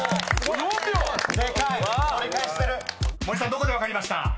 どこで分かりました？］